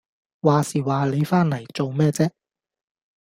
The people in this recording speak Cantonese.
話時話你返嚟做咩啫？